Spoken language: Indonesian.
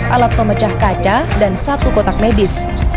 dua belas alat pemecah kaca dan satu kotak medis